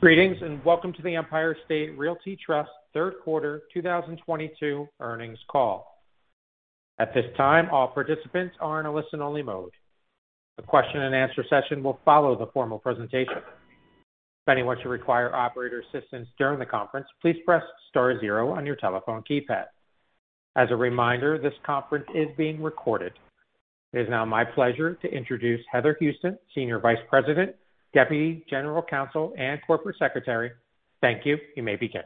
Greetings, and welcome to the Empire State Realty Trust 1/3 1/4 2022 earnings call. At this time, all participants are in a Listen-Only mode. The question and answer session will follow the formal presentation. If anyone should require operator assistance during the conference, please press star zero on your telephone keypad. As a reminder, this conference is being recorded. It is now my pleasure to introduce Heather Houston, Senior Vice President, Chief Counsel, Corporate & Secretary. Thank you. You may begin.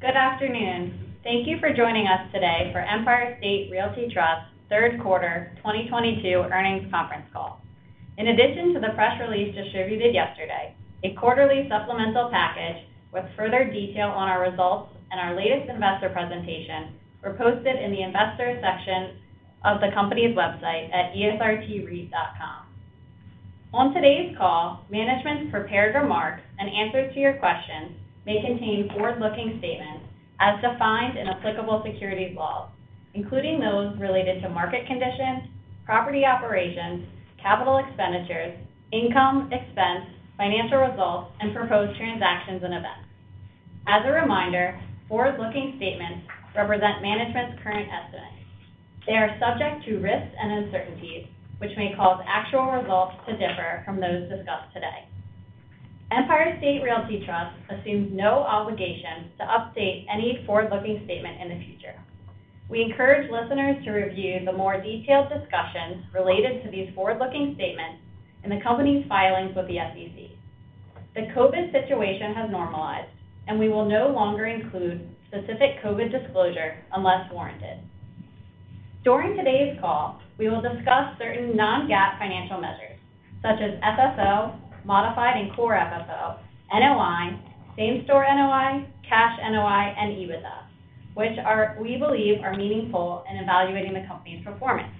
Good afternoon. Thank you for joining us today for Empire State Realty Trust 1/3 1/4 2022 earnings conference call. In addition to the press release distributed yesterday, a quaterly supplemental package with further detail on our results and our latest investor presentation were posted in the Investors section of the company's website at esrtreit.com. On today's call, management's prepared remarks and answers to your questions may contain Forward-Looking statements as defined in applicable securities laws, including those related to market conditions, property operations, capital expenditures, income, expense, financial results, and proposed transactions and events. As a reminder, Forward-Looking statements represent management's current estimates. They are subject to risks and uncertainties, which may cause actual results to differ from those discussed today. Empire State Realty Trust assumes no obligation to update any Forward-Looking statement in the future. We encourage listeners to review the more detailed discussions related to these Forward-Looking statements in the company's filings with the SEC. The COVID situation has normalized, and we will no longer include specific COVID disclosure unless warranted. During today's call, we will discuss certain Non-GAAP financial measures such as FFO, modified and core FFO, NOI, Same-Store NOI, cash NOI, and EBITDA, which we believe are meaningful in evaluating the company's performance.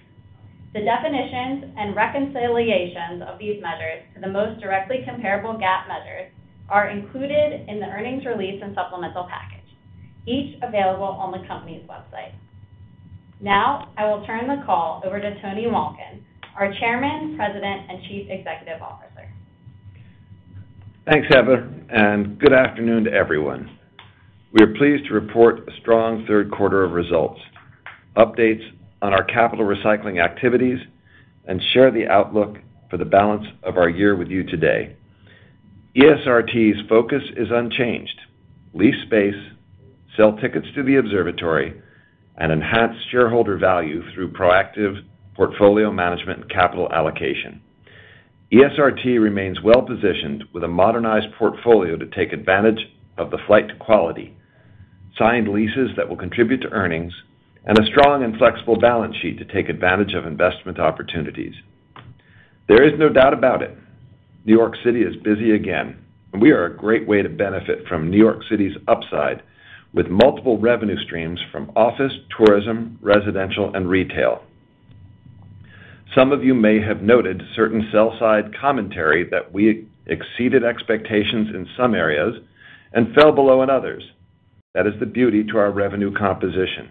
The definitions and reconciliations of these measures to the most directly comparable GAAP measures are included in the earnings release and supplemental package, each available on the company's website. Now, I will turn the call over to Anthony Malkin, our Chairman, President, and Chief Executive Officer. Thanks, Heather, and good afternoon to everyone. We are pleased to report a strong 1/3 1/4 of results, updates on our capital recycling activities, and share the outlook for the balance of our year with you today. ESRT's focus is unchanged. Lease space, sell tickets to the observatory, and enhance shareholder value through proactive portfolio management and capital allocation. ESRT remains Well-Positioned with a modernized portfolio to take advantage of the flight to quality, signed leases that will contribute to earnings, and a strong and flexible balance sheet to take advantage of investment opportunities. There is no doubt about it, New York City is busy again, and we are a great way to benefit from New York City's upside with multiple revenue streams from office, tourism, residential, and retail. Some of you may have noted certain Sell-Side commentary that we exceeded expectations in some areas and fell below in others. That is the beauty to our revenue composition.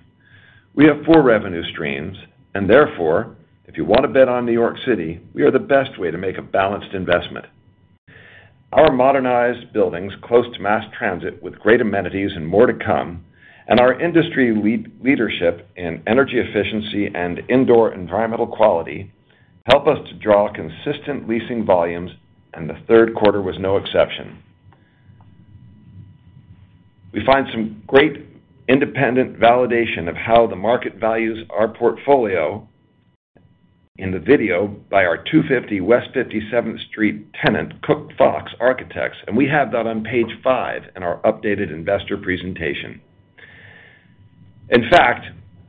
We have four revenue streams, and therefore, if you want to bet on New York City, we are the best way to make a balanced investment. Our modernized buildings close to mass transit with great amenities and more to come, and our industry leadership in energy efficiency and indoor environmental quality help us to draw consistent leasing volumes, and the 1/3 1/4 was no exception. We find some great independent validation of how the market values our portfolio in the video by our 250 West 57th Street tenant, COOKFOX Architects, and we have that on page 5 in our updated investor presentation. In fact,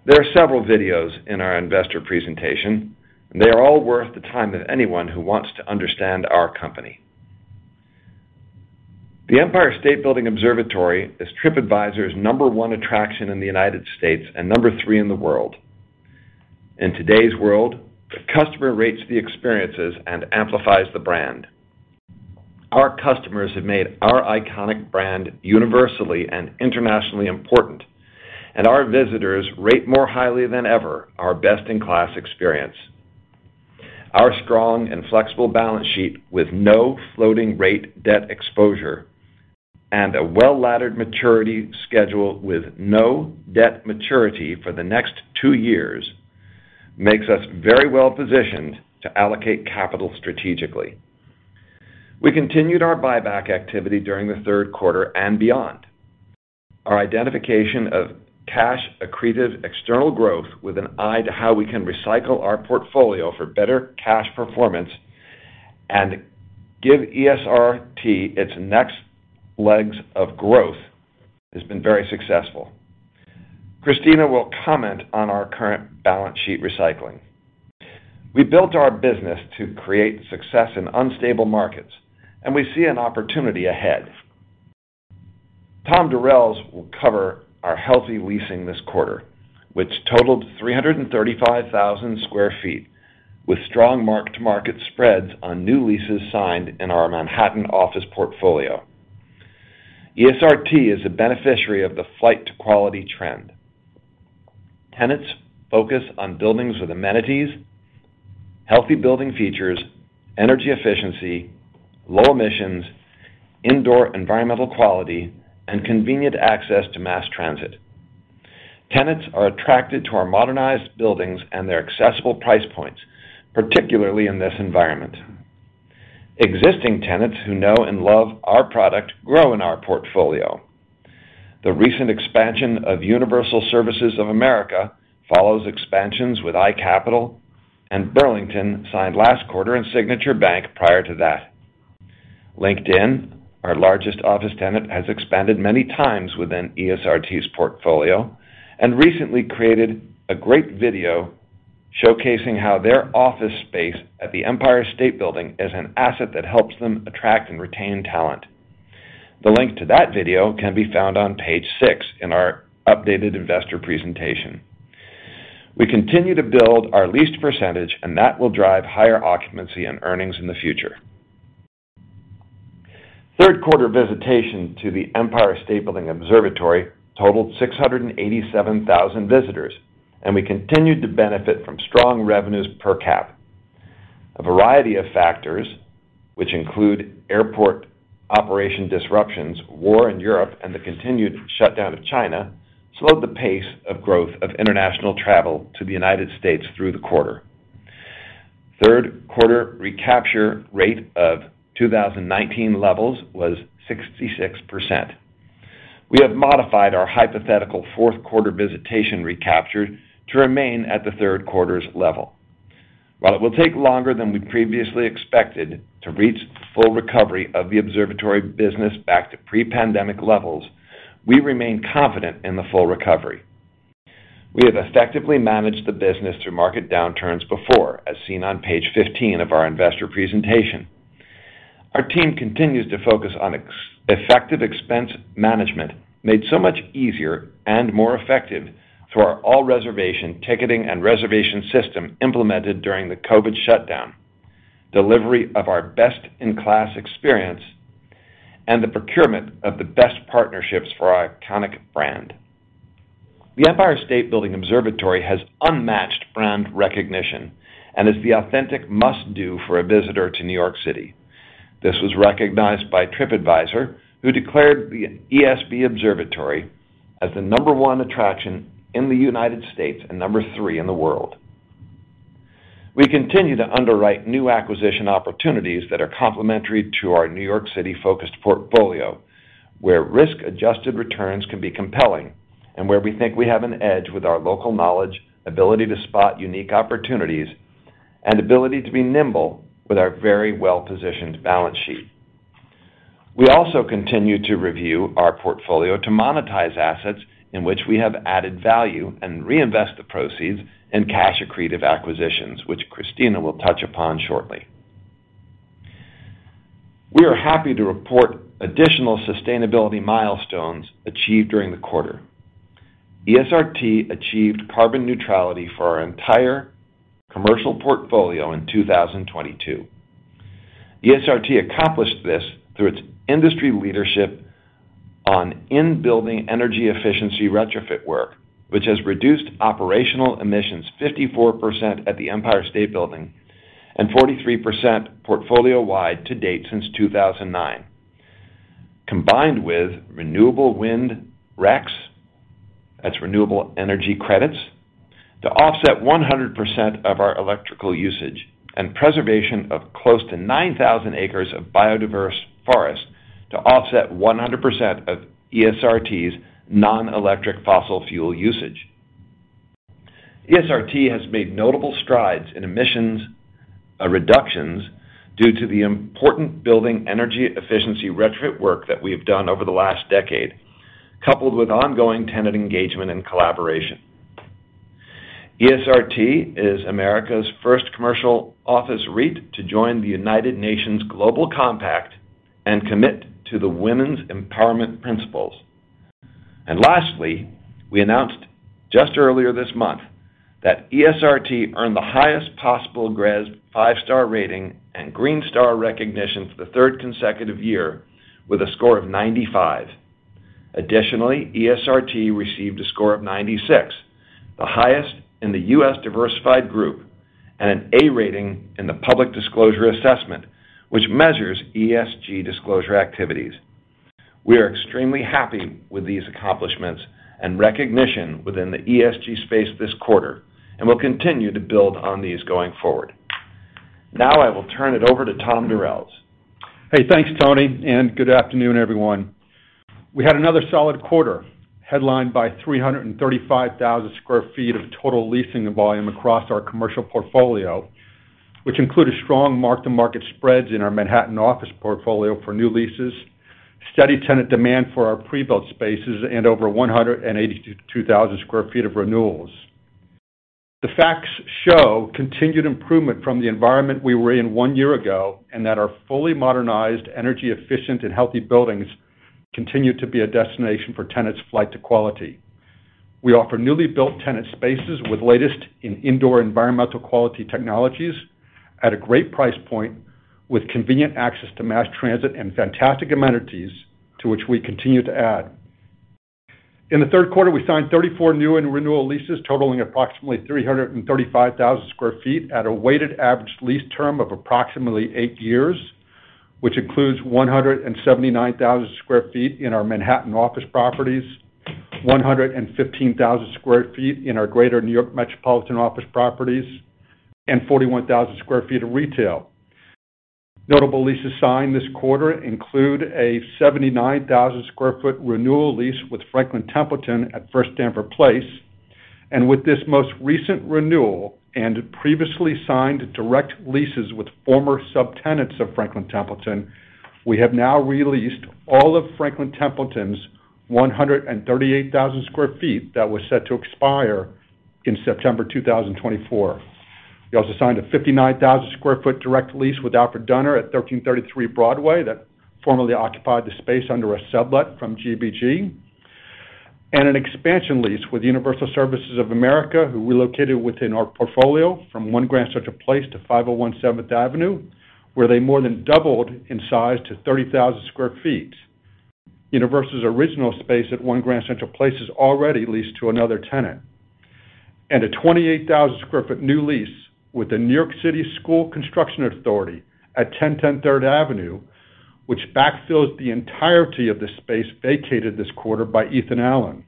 there are several videos in our investor presentation, and they are all worth the time of anyone who wants to understand our company. The Empire State Building Observatory is Tripadvisor's number 1 attraction in the United States and number 3 in the world. In today's world, the customer rates the experiences and amplifies the brand. Our customers have made our iconic brand universally and internationally important, and our visitors rate more highly than ever our Best-In-Class experience. Our strong and flexible balance sheet with no floating rate debt exposure, and a Well-Laddered maturity schedule with no debt maturity for the next 2 years, makes us very well positioned to allocate capital strategically. We continued our buyback activity during the 1/3 1/4 and beyond. Our identification of cash accretive external growth with an eye to how we can recycle our portfolio for better cash performance and give ESRT its next legs of growth has been very successful. Christina will comment on our current balance sheet recycling. We built our business to create success in unstable markets, and we see an opportunity ahead. Thomas Durels will cover our healthy leasing this 1/4, which totaled 335,000 sq ft, with strong Mark-To-Market spreads on new leases signed in our Manhattan office portfolio. ESRT is a beneficiary of the flight to quality trend. Tenants focus on buildings with amenities, healthy building features, energy efficiency, low emissions, indoor environmental quality, and convenient access to mass transit. Tenants are attracted to our modernized buildings and their accessible price points, particularly in this environment. Existing tenants who know and love our product grow in our portfolio. The recent expansion of Allied Universal follows expansions with iCapital, and Burlington signed last 1/4 in Signature Bank prior to that. LinkedIn, our largest office tenant, has expanded many times within ESRT's portfolio and recently created a great video showcasing how their office space at the Empire State Building is an asset that helps them attract and retain talent. The link to that video can be found on page 6 in our updated investor presentation. We continue to build our leased percentage, and that will drive higher occupancy and earnings in the future. Third 1/4 visitation to the Empire State Building Observatory totaled 687,000 visitors, and we continued to benefit from strong revenues per cap. A variety of factors, which include airport operation disruptions, war in Europe, and the continued shutdown of China, slowed the pace of growth of international travel to the United States through the 1/4. Third 1/4 recapture rate of 2019 levels was 66%. We have modified our hypothetical fourth 1/4 visitation recapture to remain at the 1/3 1/4's level. While it will take longer than we previously expected to reach full recovery of the observatory business back to Pre-Pandemic levels, we remain confident in the full recovery. We have effectively managed the business through market downturns before, as seen on page 15 of our investor presentation. Our team continues to focus on effective expense management, made so much easier and more effective through our online reservation ticketing and reservation system implemented during the COVID shutdown, delivery of our Best-In-Class experience, and the procurement of the best partnerships for our iconic brand. The Empire State Building Observatory has unmatched brand recognition and is the authentic Must-Do for a visitor to New York City. This was recognized by Tripadvisor, who declared the ESB Observatory as the number one attraction in the United States and number three in the world. We continue to underwrite new acquisition opportunities that are complementary to our New York City-Focused portfolio, where risk-adjusted returns can be compelling and where we think we have an edge with our local knowledge, ability to spot unique opportunities, and ability to be nimble with our very Well-Positioned balance sheet. We also continue to review our portfolio to monetize assets in which we have added value and reinvest the proceeds in Cash-Accretive acquisitions, which Christina will touch upon shortly. We are happy to report additional sustainability milestones achieved during the 1/4. ESRT achieved carbon neutrality for our entire commercial portfolio in 2022. ESRT accomplished this through its industry leadership on In-Building energy efficiency retrofit work, which has reduced operational emissions 54% at the Empire State Building and 43% Portfolio-Wide to date since 2009. Combined with renewable wind RECs, that's renewable energy credits, to offset 100% of our electrical usage and preservation of close to 9,000 acres of biodiverse forest to offset 100% of ESRT's nonelectric fossil fuel usage. ESRT has made notable strides in emissions reductions due to the important building energy efficiency retrofit work that we have done over the last decade, coupled with ongoing tenant engagement and collaboration. ESRT is America's first commercial office REIT to join the United Nations Global Compact and commit to the Women's Empowerment Principles. Lastly, we announced just earlier this month that ESRT earned the highest possible GRESB five-star rating and Green Star recognition for the 1/3 consecutive year with a score of 95. Additionally, ESRT received a score of 96, the highest in the U.S. diversified group, and an A rating in the public disclosure assessment, which measures ESG disclosure activities. We are extremely happy with these accomplishments and recognition within the ESG space this 1/4, and we'll continue to build on these going forward. Now I will turn it over to Thomas Durels. Hey, thanks, Anthony, and good afternoon, everyone. We had another solid 1/4 headlined by 335,000 sq ft of total leasing volume across our commercial portfolio, which include a strong mark-to-market spreads in our Manhattan office portfolio for new leases, steady tenant demand for our Pre-built spaces, and over 182,000 sq ft of renewals. The facts show continued improvement from the environment we were in one year ago and that our fully modernized, Energy-Efficient, and healthy buildings continue to be a destination for tenants' flight to quality. We offer newly built tenant spaces with latest in indoor environmental quality technologies at a great price point, with convenient access to mass transit and fantastic amenities to which we continue to add. In the 1/3 1/4, we signed 34 new and renewal leases totaling approximately 335,000 sq ft at a weighted average lease term of approximately 8 years, which includes 179,000 sq ft in our Manhattan office properties, 115,000 sq ft in our Greater New York metropolitan office properties, and 41,000 sq ft of retail. Notable leases signed this 1/4 include a 79,000 sq ft renewal lease with Franklin Templeton at First Stamford Place, and with this most recent renewal and previously signed direct leases with former subtenants of Franklin Templeton, we have now re-leased all of Franklin Templeton's 138,000 sq ft that was set to expire in September 2024. We also signed a 59,000 sq ft direct lease with Alfred Dunner at 1,333 Broadway that formerly occupied the space under a sublet from GBG, and an expansion lease with Universal Services of America, who relocated within our portfolio from One Grand Central Place to 501 Seventh Avenue, where they more than doubled in size to 30,000 sq ft. Universal's original space at One Grand Central Place is already leased to another tenant. A 28,000 sq ft new lease with the New York City School Construction Authority at 1,010 Third Avenue, which backfills the entirety of the space vacated this 1/4 by Ethan Allen.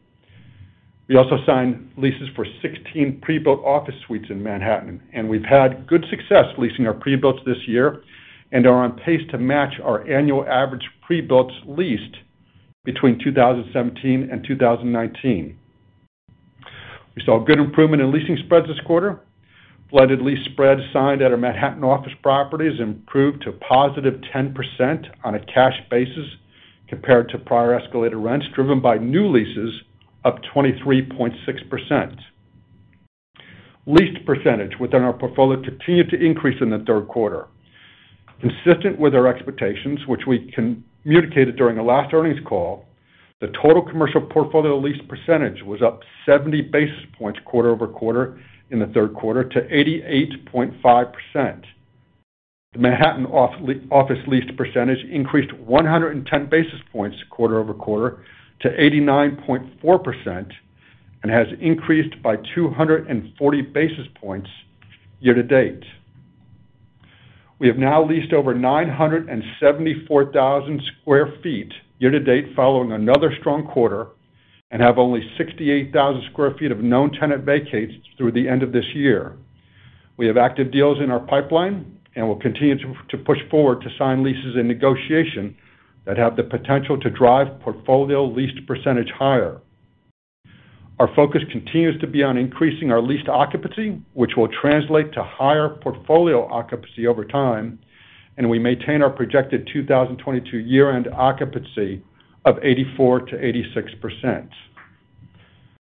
We also signed leases for 16 Pre-built office suites in Manhattan, and we've had good success leasing our Pre-Builts this year and are on pace to match our annual average Pre-Builts leased between 2017 and 2019. We saw good improvement in leasing spreads this 1/4. Weighted lease spreads signed at our Manhattan office properties improved to positive 10% on a cash basis compared to prior escalated rents, driven by new leases up 23.6%. Leased percentage within our portfolio continued to increase in the 1/3 1/4. Consistent with our expectations, which we communicated during the last earnings call, the total commercial portfolio leased percentage was up 70 basis points quarter-over-quarter in the 1/3 1/4 to 88.5%. The Manhattan office leased percentage increased 110 basis points 1/4-over-quarter to 89.4% and has increased by 240 basis points year-to-date. We have now leased over 974,000 sq ft year-to-date following another strong 1/4 and have only 68,000 sq ft of known tenant vacates through the end of this year. We have active deals in our pipeline and will continue to push forward to sign leases in negotiation that have the potential to drive portfolio leased percentage higher. Our focus continues to be on increasing our leased occupancy, which will translate to higher portfolio occupancy over time, and we maintain our projected 2022 year-end occupancy of 84%-86%.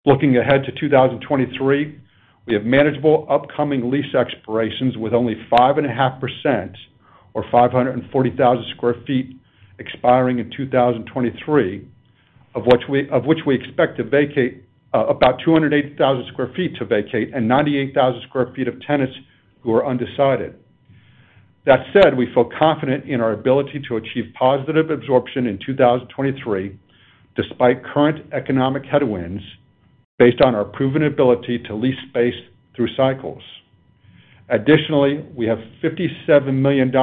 Looking ahead to 2023, we have manageable upcoming lease expirations with only 5.5% or 540,000 sq ft expiring in 2023, of which we expect to vacate about 280,000 sq ft and 98,000 sq ft of tenants who are undecided. That said, we feel confident in our ability to achieve positive absorption in 2023 despite current economic headwinds based on our proven ability to lease space through cycles. Additionally, we have $57 million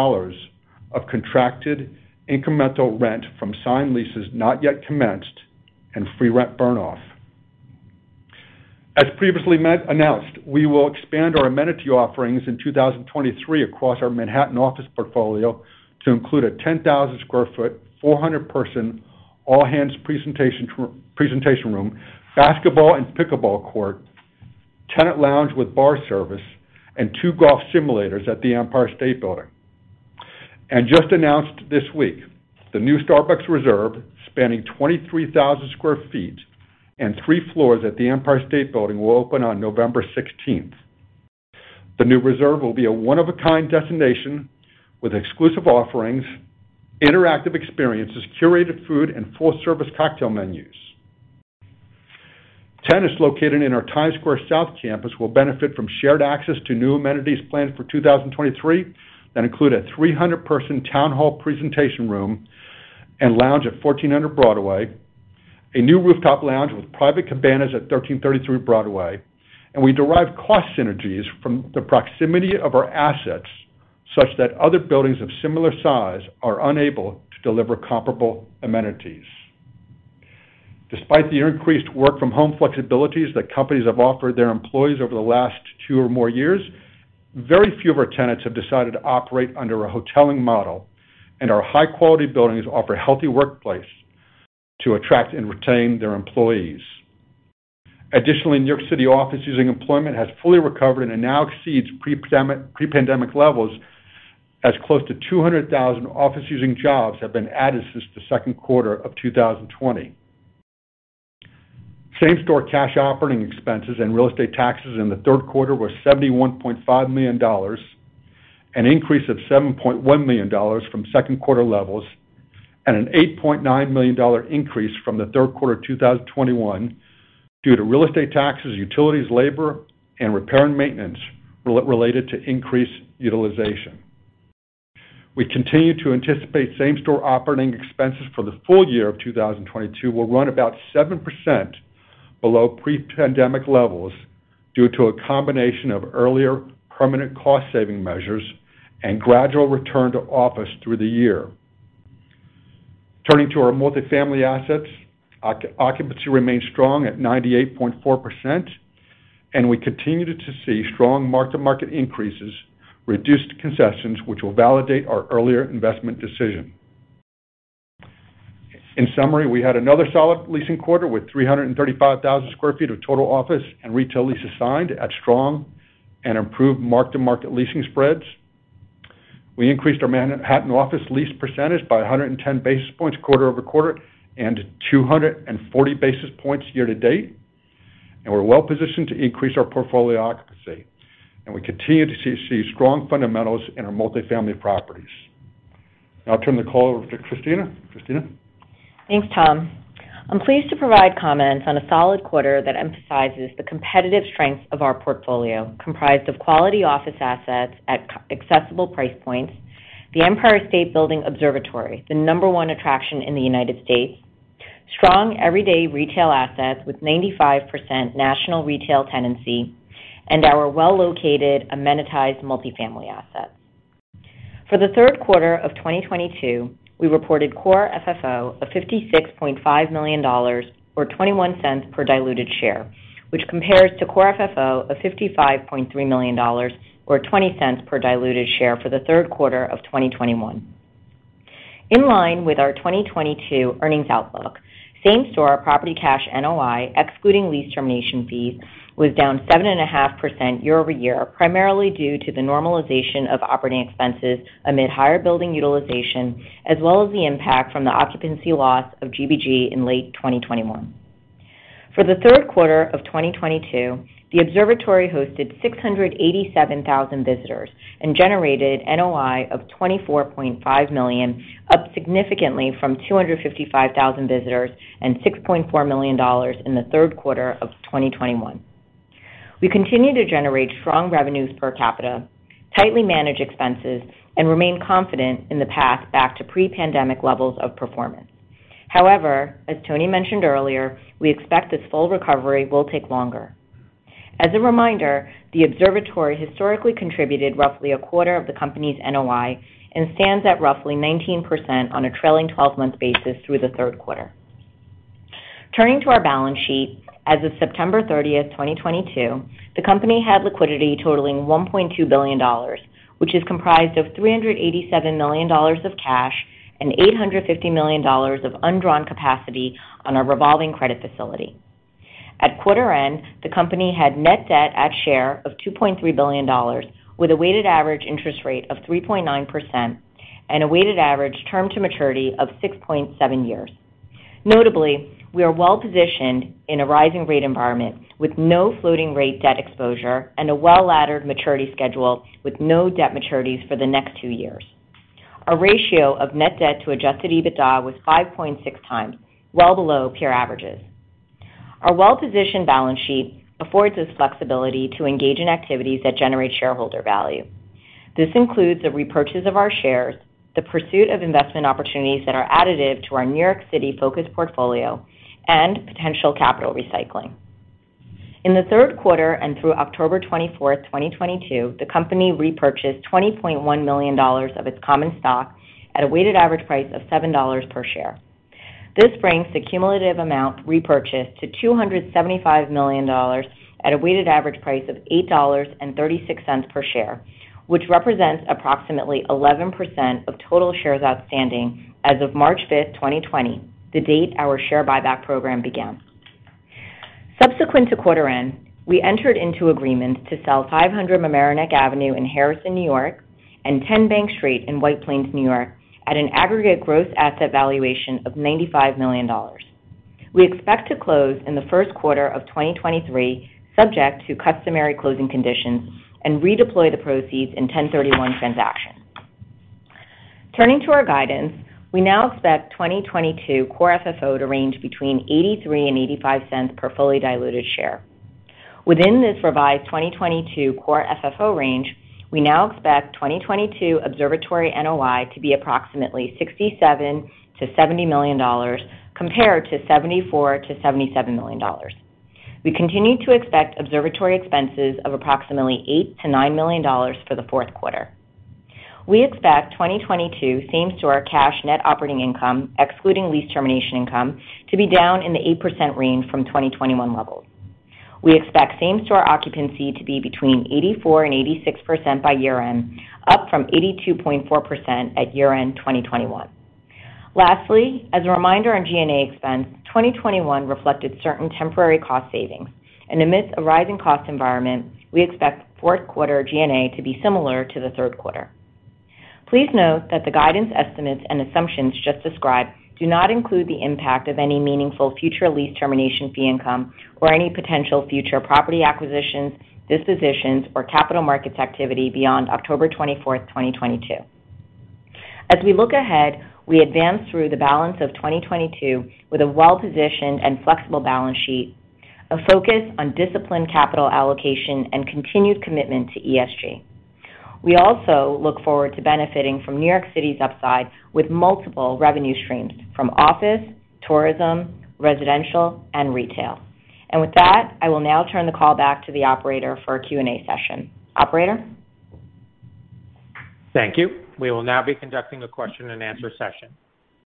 of contracted incremental rent from signed leases not yet commenced and free rent burn off. As previously announced, we will expand our amenity offerings in 2023 across our Manhattan office portfolio to include a 10,000 sq ft, 400-Person All-Hands presentation room, basketball and pickleball court, tenant lounge with bar service, and two golf simulators at the Empire State Building. Just announced this week, the new Starbucks Reserve, spanning 23,000 sq ft and 3 floors at the Empire State Building, will open on November sixteenth. The new Reserve will be a one-of-a-kind destination with exclusive offerings, interactive experiences, curated food, and full-service cocktail menus. Tenants located in our Times Square South campus will benefit from shared access to new amenities planned for 2023 that include a 300-person town hall presentation room and lounge at 1400 Broadway, a new rooftop lounge with private cabanas at 1333 Broadway, and we derive cost synergies from the proximity of our assets such that other buildings of similar size are unable to deliver comparable amenities. Despite the increased Work-From-Home flexibilities that companies have offered their employees over the last two or more years, very few of our tenants have decided to operate under a hoteling model, and our high-quality buildings offer healthy workplaces to attract and retain their employees. Additionally, New York City office-using employment has fully recovered and it now exceeds Pre-pandemic levels as close to 200,000 Office-Using jobs have been added since the second 1/4 of 2020. Same-Store cash operating expenses and real estate taxes in the 1/3 1/4 were $71.5 million. An increase of $7.1 million from second 1/4 levels and an $8.9 million increase from the 1/3 1/4 2021 due to real estate taxes, utilities, labor, and repair and maintenance related to increased utilization. We continue to anticipate Same-Store operating expenses for the full year of 2022 will run about 7% below Pre-pandemic levels due to a combination of earlier permanent cost-saving measures and gradual return to office through the year. Turning to our multifamily assets. Occupancy remains strong at 98.4%, and we continue to see strong mark-to-market increases, reduced concessions, which will validate our earlier investment decision. In summary, we had another solid leasing 1/4 with 335,000 sq ft of total office and retail leases signed at strong and improved mark-to-market leasing spreads. We increased our Manhattan office lease percentage by 110 basis points 1/4-over-quarter and 240 basis points year to date. We're Well-Positioned to increase our portfolio occupancy, and we continue to see strong fundamentals in our multifamily properties. Now I'll turn the call over to Christina. Christina. Thanks, Thomas. I'm pleased to provide comments on a solid 1/4 that emphasizes the competitive strength of our portfolio, comprised of quality office assets at accessible price points, the Empire State Building Observatory, the number one attraction in the United States, strong everyday retail assets with 95% national retail tenancy, and our well-located amenitized multifamily assets. For the 1/3 1/4 of 2022, we reported core FFO of $56.5 million or $0.21 per diluted share, which compares to core FFO of $55.3 million or $0.20 per diluted share for the 1/3 1/4 of 2021. In line with our 2022 earnings outlook, Same-Store Cash NOI, excluding lease termination fees, was down 7.5% year-over-year, primarily due to the normalization of operating expenses amid higher building utilization, as well as the impact from the occupancy loss of GBG in late 2021. For the 1/3 1/4 of 2022, the Observatory hosted 687,000 visitors and generated NOI of $24.5 million, up significantly from 255,000 visitors and $6.4 million in the 1/3 1/4 of 2021. We continue to generate strong revenues per capita, tightly manage expenses, and remain confident in the path back to Pre-pandemic levels of performance. However, as Anthony mentioned earlier, we expect this full recovery will take longer. As a reminder, the Observatory historically contributed roughly a 1/4 of the company's NOI and stands at roughly 19% on a trailing twelve-month basis through the 1/3 1/4. Turning to our balance sheet, as of September 30, 2022, the company had liquidity totaling $1.2 billion, which is comprised of $387 million of cash and $850 million of undrawn capacity on our revolving credit facility. At 1/4 end, the company had net debt per share of $2.3 billion, with a weighted average interest rate of 3.9% and a weighted average term to maturity of 6.7 years. Notably, we are Well-Positioned in a rising rate environment with no floating rate debt exposure and a well-laddered maturity schedule with no debt maturities for the next two years. Our ratio of net debt to adjusted EBITDA was 5.6 times, well below peer averages. Our Well-Positioned balance sheet affords us flexibility to engage in activities that generate shareholder value. This includes the repurchase of our shares, the pursuit of investment opportunities that are additive to our New York City-Focused portfolio, and potential capital recycling. In the 1/3 1/4 and through October 24, 2022, the company repurchased $20.1 million of its common stock at a weighted average price of $7 per share. This brings the cumulative amount repurchased to $275 million at a weighted average price of $8.36 per share, which represents approximately 11% of total shares outstanding as of March 5, 2020, the date our share buyback program began. Subsequent to 1/4 end, we entered into agreements to sell 500 Mamaroneck Avenue in Harrison, New York, and 10 Bank Street in White Plains, New York, at an aggregate gross asset valuation of $95 million. We expect to close in the first 1/4 of 2023, subject to customary closing conditions and redeploy the proceeds in 1031 transactions. Turning to our guidance, we now expect 2022 Core FFO to range between $0.83 and $0.85 per fully diluted share. Within this revised 2022 Core FFO range, we now expect 2022 Observatory NOI to be approximately $67 million-$70 million compared to $74 million-$77 million. We continue to expect Observatory expenses of approximately $8 million-$9 million for the fourth 1/4. We expect 2022 Same-Store cash net operating income, excluding lease termination income, to be down in the 8% range from 2021 levels. We expect Same-Store occupancy to be between 84% and 86% by year-end, up from 82.4% at year-end 2021. Lastly, as a reminder on G&A expense, 2021 reflected certain temporary cost savings. Amidst a rising cost environment, we expect fourth 1/4 G&A to be similar to the 1/3 1/4. Please note that the guidance estimates and assumptions just described do not include the impact of any meaningful future lease termination fee income or any potential future property acquisitions, dispositions, or capital markets activity beyond October 24, 2022. As we look ahead, we advance through the balance of 2022 with a Well-Positioned and flexible balance sheet, a focus on disciplined capital allocation and continued commitment to ESG. We also look forward to benefiting from New York City's upside with multiple revenue streams from office, tourism, residential, and retail. With that, I will now turn the call back to the operator for a Q&A session. Operator? Thank you. We will now be conducting a question-and-answer session.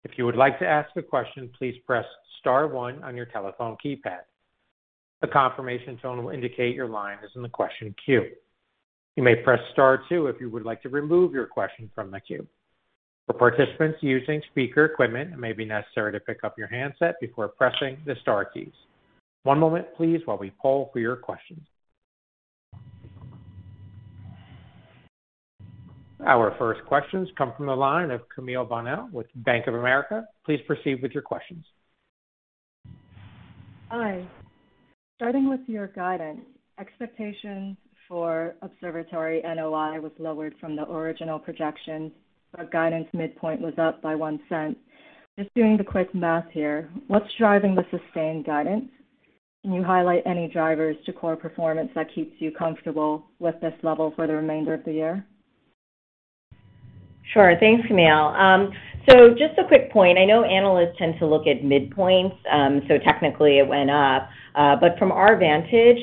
If you would like to ask a question, please press star one on your telephone keypad. A confirmation tone will indicate your line is in the question queue. You may press star two if you would like to remove your question from the queue. For participants using speaker equipment, it may be necessary to pick up your handset before pressing the star keys. One moment, please, while we poll for your questions. Our first questions come from the line of Camille Bonnel with Bank of America. Please proceed with your questions. Hi. Starting with your guidance, expectations for Observatory NOI was lowered from the original projections, but guidance midpoint was up by $0.01. Just doing the quick math here, what's driving the sustained guidance? Can you highlight any drivers to core performance that keeps you comfortable with this level for the remainder of the year? Sure. Thanks, Camille. So just a quick point. I know analysts tend to look at midpoints, so technically it went up. But from our vantage,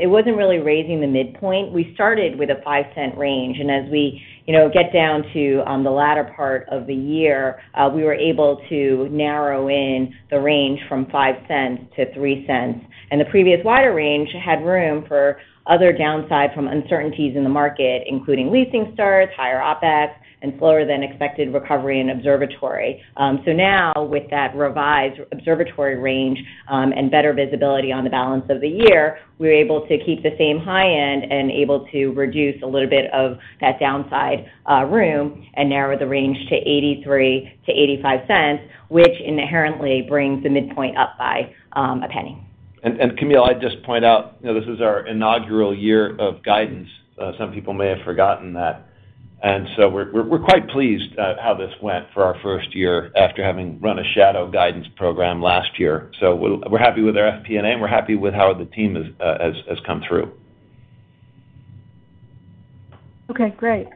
it wasn't really raising the midpoint. We started with a $0.05 range, and as we, you know, get down to the latter part of the year, we were able to narrow the range from $0.05 to $0.03. The previous wider range had room for other downside from uncertainties in the market, including leasing starts, higher OpEx, and slower than expected recovery in Observatory. Now with that revised Observatory range, and better visibility on the balance of the year, we're able to keep the same high end and able to reduce a little bit of that downside room and narrow the range to $0.83-$0.85, which inherently brings the midpoint up by $0.01. Camille, I'd just point out, you know, this is our inaugural year of guidance. Some people may have forgotten that. We're quite pleased at how this went for our first year after having run a shadow guidance program last year. We're happy with our FP&A, and we're happy with how the team has come through. Okay, great.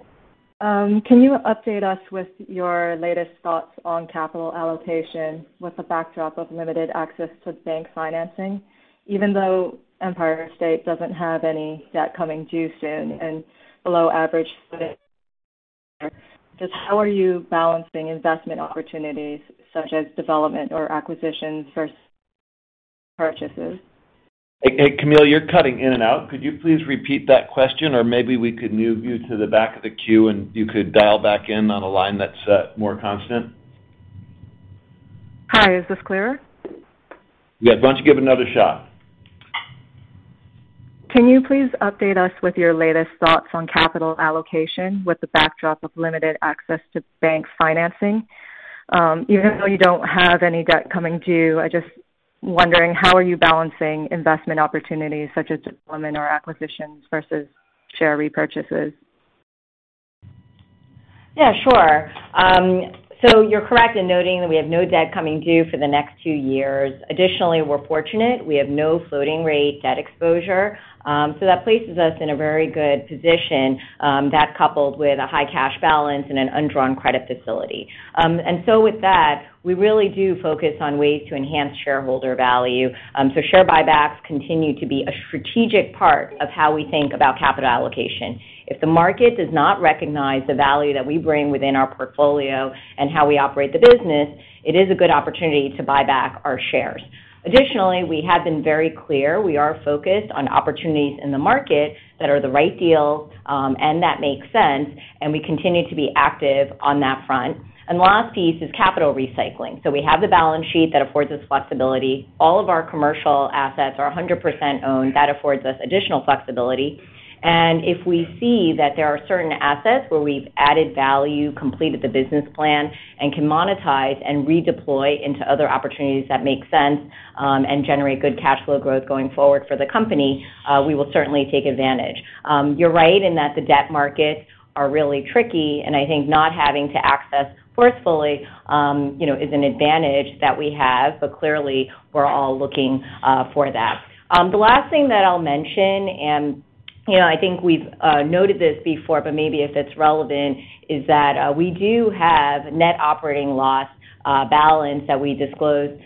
Can you update us with your latest thoughts on capital allocation with the backdrop of limited access to bank financing, even though Empire State doesn't have any debt coming due soon and below average just how are you balancing investment opportunities such as development or acquisitions versus purchases? Hey, Camille, you're cutting in and out. Could you please repeat that question, or maybe we could move you to the back of the queue, and you could dial back in on a line that's more constant. Hi. Is this clearer? Yeah. Why don't you give it another shot? Can you please update us with your latest thoughts on capital allocation with the backdrop of limited access to bank financing? Even though you don't have any debt coming due, I'm just wondering how are you balancing investment opportunities such as development or acquisitions versus share repurchases? Yeah, sure. You're correct in noting that we have no debt coming due for the next 2 years. Additionally, we're fortunate. We have no floating rate debt exposure, so that places us in a very good position, that coupled with a high cash balance and an undrawn credit facility. With that, we really do focus on ways to enhance shareholder value. Share buybacks continue to be a strategic part of how we think about capital allocation. If the market does not recognize the value that we bring within our portfolio and how we operate the business, it is a good opportunity to buy back our shares. Additionally, we have been very clear, we are focused on opportunities in the market that are the right deals, and that make sense, and we continue to be active on that front. Last piece is capital recycling. We have the balance sheet that affords us flexibility. All of our commercial assets are 100% owned. That affords us additional flexibility. If we see that there are certain assets where we've added value, completed the business plan, and can monetize and redeploy into other opportunities that make sense, and generate good cash flow growth going forward for the company, we will certainly take advantage. You're right in that the debt markets are really tricky, and I think not having to access forcefully is an advantage that we have. Clearly, we're all looking for that. The last thing that I'll mention, you know, I think we've noted this before, but maybe if it's relevant, is that we do have net operating loss balance that we disclosed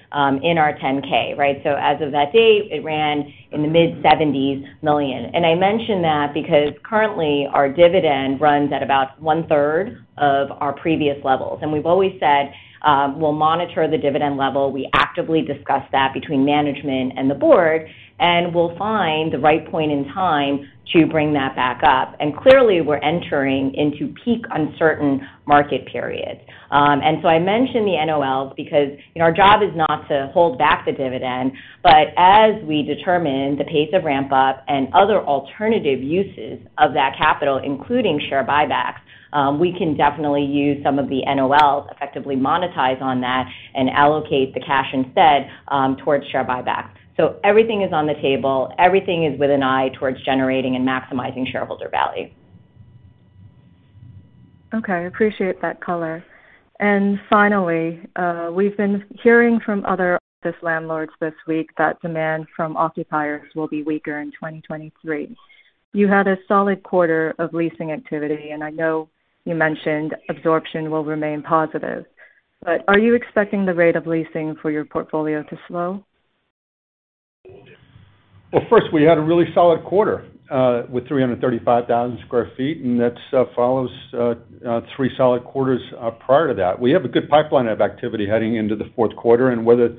in our 10-K, right? So as of that date, it ran in the mid-$70s million. I mention that because currently our dividend runs at about one-1/3 of our previous levels. We've always said we'll monitor the dividend level. We actively discuss that between management and the board, and we'll find the right point in time to bring that back up. Clearly, we're entering into peak uncertain market periods. I mention the NOLs because, you know, our job is not to hold back the dividend. As we determine the pace of ramp up and other alternative uses of that capital, including share buybacks, we can definitely use some of the NOLs, effectively monetize on that, and allocate the cash instead, towards share buybacks. Everything is on the table. Everything is with an eye towards generating and maximizing shareholder value. Okay. Appreciate that color. Finally, we've been hearing from other office landlords this week that demand from occupiers will be weaker in 2023. You had a solid 1/4 of leasing activity, and I know you mentioned absorption will remain positive. Are you expecting the rate of leasing for your portfolio to slow? Well, first, we had a really solid 1/4 with 335,000 sq ft, and that follows three solid quaters prior to that. We have a good pipeline of activity heading into the fourth 1/4, and whether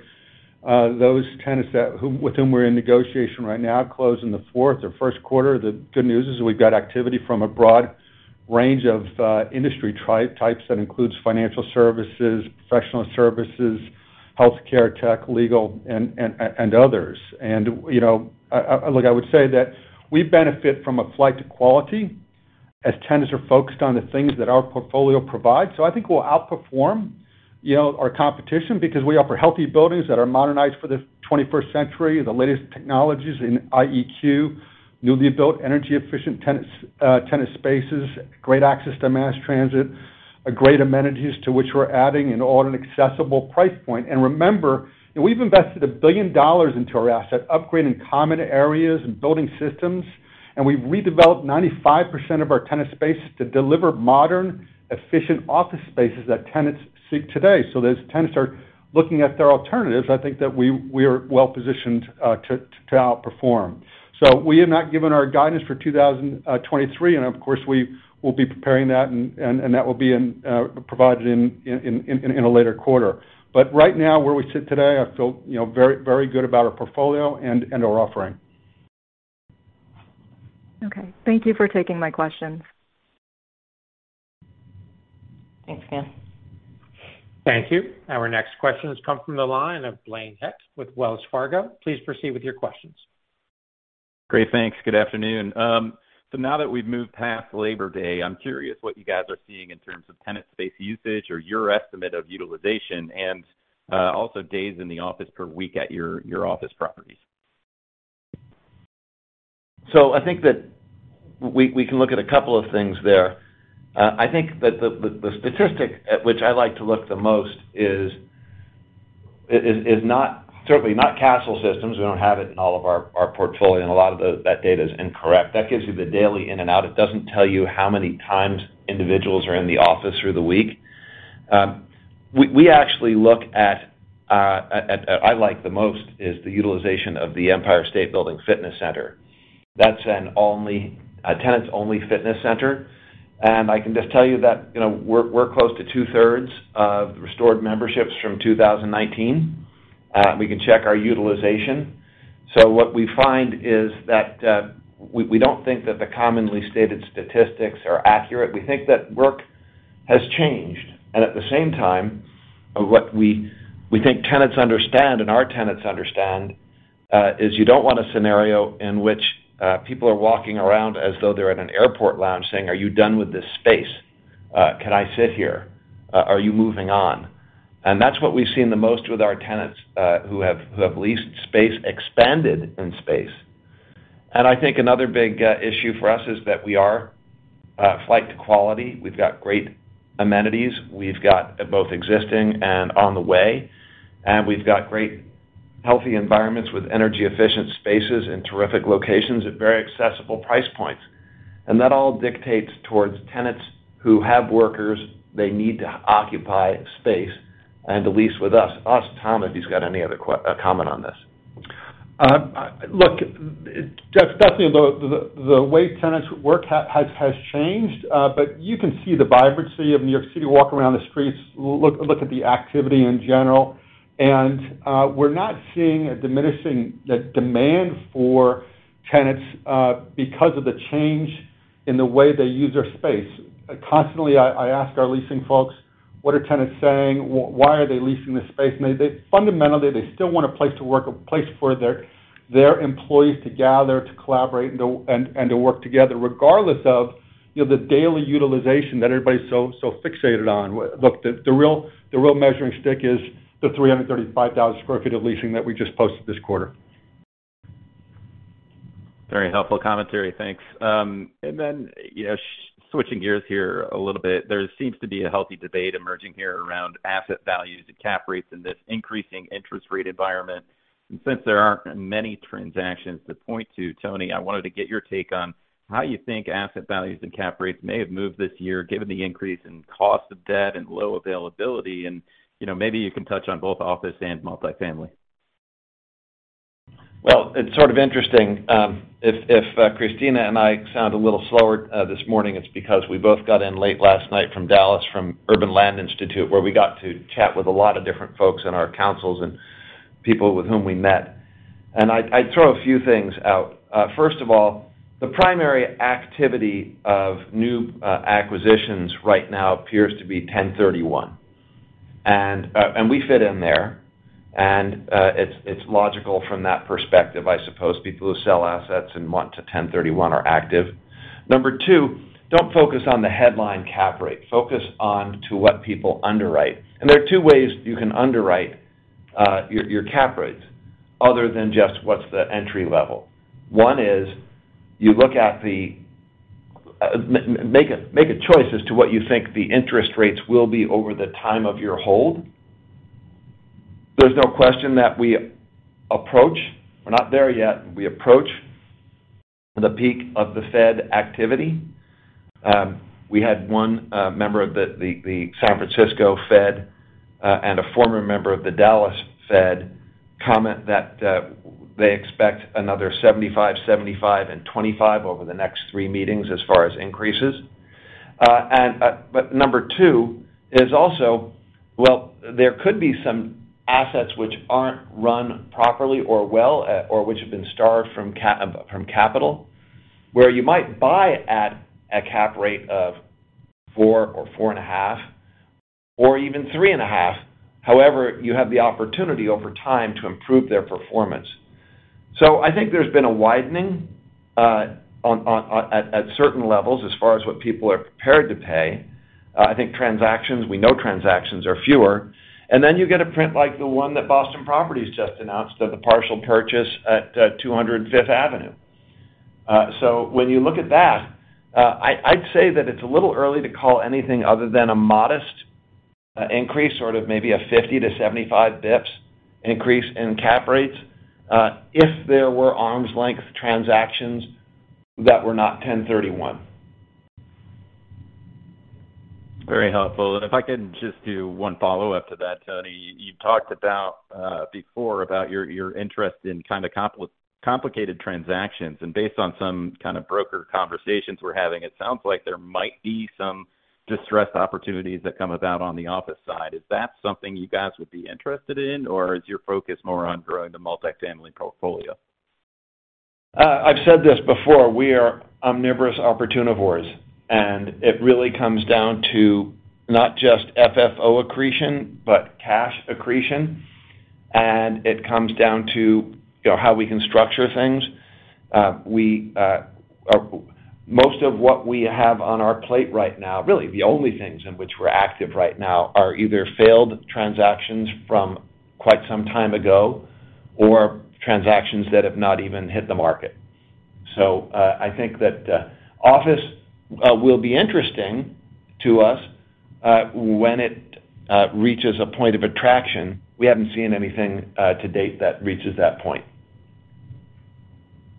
those tenants with whom we're in negotiation right now close in the fourth or first 1/4, the good news is we've got activity from a broad range of industry types that includes financial services, professional services, healthcare tech, legal, and others. You know, Look, I would say that we benefit from a flight to quality as tenants are focused on the things that our portfolio provides. I think we'll outperform, you know, our competition because we offer healthy buildings that are modernized for the 21st century, the latest technologies in IEQ, newly built energy efficient tenant spaces, great access to mass transit, great amenities to which we're adding and all at an accessible price point. Remember, we've invested $1 billion into our asset, upgrading common areas and building systems, and we've redeveloped 95% of our tenant space to deliver modern, efficient office spaces that tenants seek today. As tenants are looking at their alternatives, I think that we are well positioned to outperform. We have not given our guidance for 2023, and of course, we will be preparing that, and that will be provided in a later 1/4. Right now, where we sit today, I feel, you know, very, very good about our portfolio and our offering. Okay. Thank you for taking my questions. Thanks, Ann. Thank you. Our next question has come from the line of Blaine Heck with Wells Fargo. Please proceed with your questions. Great. Thanks. Good afternoon. Now that we've moved past Labor Day, I'm curious what you guys are seeing in terms of tenant space usage or your estimate of utilization and, also days in the office per week at your office properties? I think that we can look at a couple of things there. I think that the statistic at which I like to look the most is not certainly not Kastle Systems. We don't have it in all of our portfolio, and a lot of that data is incorrect. That gives you the daily in and out. It doesn't tell you how many times individuals are in the office through the week. We actually look at. I like the most is the utilization of the Empire State Building fitness center. That's a tenants-only fitness center. I can just tell you that, you know, we're close to two-1/3s of restored memberships from 2019. We can check our utilization. What we find is that we don't think that the commonly stated statistics are accurate. We think that work has changed. At the same time, what we think tenants understand and our tenants understand is you don't want a scenario in which people are walking around as though they're at an airport lounge saying, "Are you done with this space? Can I sit here? Are you moving on?" That's what we've seen the most with our tenants who have leased space, expanded in space. I think another big issue for us is that we are flight to quality. We've got great amenities. We've got both existing and on the way. We've got great healthy environments with energy efficient spaces and terrific locations at very accessible price points. That all dictates towards tenants who have workers they need to occupy space and to lease with us. Ask Thomas if he's got any other comment on this. Look, Jeff, definitely the way tenants work has changed. You can see the vibrancy of New York City, walk around the streets, look at the activity in general. We're not seeing a diminishing in the demand for tenants because of the change in the way they use their space. Constantly, I ask our leasing folks, what are tenants saying? Why are they leasing this space? And they fundamentally still want a place to work, a place for their employees to gather, to collaborate, and to work together, regardless of, you know, the daily utilization that everybody's so fixated on. Look, the real measuring stick is the 335,000 sq ft of leasing that we just posted this 1/4. Very helpful commentary. Thanks. Switching gears here a little bit, there seems to be a healthy debate emerging here around asset values and cap rates in this increasing interest rate environment. Since there aren't many transactions to point to, Anthony, I wanted to get your take on how you think asset values and cap rates may have moved this year, given the increase in cost of debt and low availability. You know, maybe you can touch on both office and multifamily. Well, it's sort of interesting. If Christina and I sound a little slower this morning, it's because we both got in late last night from Dallas from Urban Land Institute, where we got to chat with a lot of different folks in our councils and people with whom we met. I'd throw a few things out. First of all, the primary activity of new acquisitions right now appears to be 1031. We fit in there. It's logical from that perspective, I suppose. People who sell assets in order to 1031 are active. Number two, don't focus on the headline cap rate. Focus on two what people underwrite. There are two ways you can underwrite your cap rates other than just what's the entry level. One is you look at make a choice as to what you think the interest rates will be over the time of your hold. There's no question that we approach the peak of the Fed activity. We're not there yet. We had one member of the San Francisco Fed and a former member of the Dallas Fed comment that they expect another 75 and 25 over the next three meetings as far as increases. Number two is also. Well, there could be some assets which aren't run properly or well or which have been starved from capital, where you might buy at a cap rate of 4% or 4.5% or even 3.5%, however, you have the opportunity over time to improve their performance. I think there's been a widening at certain levels as far as what people are prepared to pay. I think transactions, we know transactions are fewer. Then you get a print like the one that Boston Properties just announced of the partial purchase at 200 Fifth Avenue. When you look at that, I'd say that it's a little early to call anything other than a modest increase, sort of maybe a 50-75 basis points increase in cap rates, if there were arm's length transactions that were not 1031. Very helpful. If I could just do one follow-up to that, Anthony. You talked about before about your interest in kind of complicated transactions. Based on some kind of broker conversations we're having, it sounds like there might be some distressed opportunities that come about on the office side. Is that something you guys would be interested in, or is your focus more on growing the multifamily portfolio? I've said this before, we are omnivorous opportunivores, and it really comes down to not just FFO accretion, but cash accretion. It comes down to, you know, how we can structure things. Most of what we have on our plate right now, really the only things in which we're active right now are either failed transactions from quite some time ago or transactions that have not even hit the market. I think that office will be interesting to us when it reaches a point of attraction. We haven't seen anything to date that reaches that point.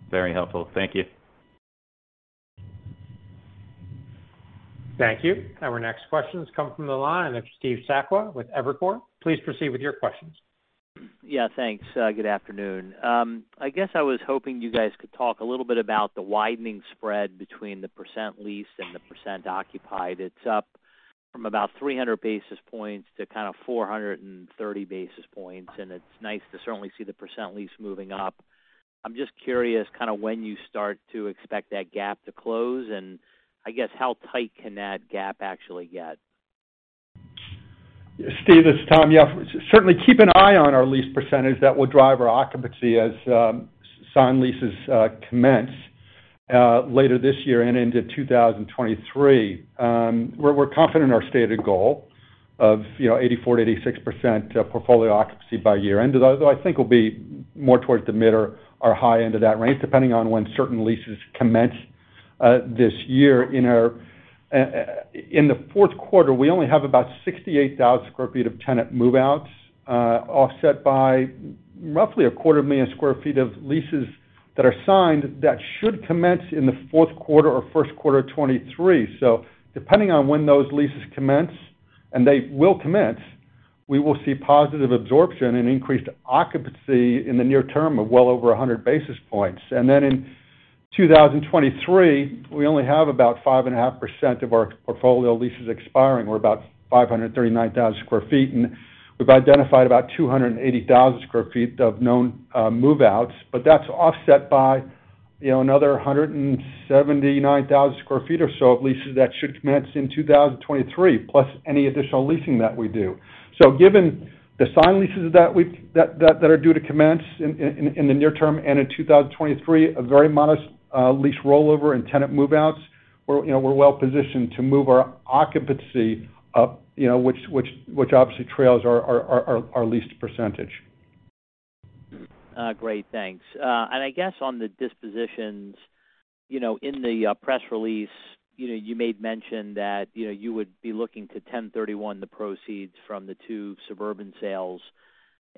Very helpful. Thank you. Thank you. Our next question comes from the line of Steve Sakwa with Evercore ISI. Please proceed with your questions. Yeah, thanks. Good afternoon. I guess I was hoping you guys could talk a little bit about the widening spread between the % leased and the % occupied. It's up from about 300 basis points to kind of 430 basis points, and it's nice to certainly see the % leased moving up. I'm just curious kind of when you start to expect that gap to close, and I guess how tight can that gap actually get? Steve, it's Thomas. Yeah. Certainly keep an eye on our lease percentage. That will drive our occupancy as signed leases commence later this year and into 2023. We're confident in our stated goal of, you know, 84%-86% portfolio occupancy by year-end. Although I think we'll be more towards the mid or high end of that range, depending on when certain leases commence this year. In the fourth 1/4, we only have about 68,000 sq ft of tenant move-outs, offset by roughly a 1/4 million sq ft of leases that are signed that should commence in the fourth 1/4 or first 1/4 of 2023. Depending on when those leases commence, and they will commence, we will see positive absorption and increased occupancy in the near term of well over 100 basis points. Then in 2023, we only have about 5.5% of our portfolio leases expiring. We're about 539,000 sq ft, and we've identified about 280,000 sq ft of known move-outs, but that's offset by, you know, another 179,000 sq ft or so of leases that should commence in 2023, plus any additional leasing that we do. Given the signed leases that are due to commence in the near term and in 2023, a very modest lease rollover and tenant move-outs, we're Well-Positioned to move our occupancy up, you know, which obviously trails our leased percentage. Great. Thanks. I guess on the dispositions, you know, in the press release, you know, you made mention that, you know, you would be looking to 1031 the proceeds from the